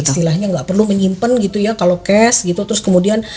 istilahnya nggak perlu menyimpan gitu ya kalau cash gitu terus kemudian